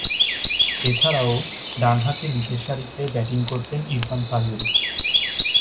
এছাড়াও, ডানহাতে নিচেরসারিতে ব্যাটিং করতেন ইরফান ফাজিল।